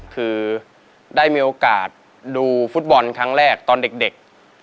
คือได้มีโอกาสดูฟุตบอลครั้งแรกตอนเด็ก